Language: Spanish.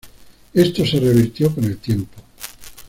Esto se revirtió con el tiempo.